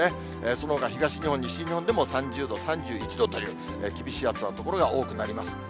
そのほか、東日本、西日本でも３０度、３１度という厳しい暑さの所が多くなります。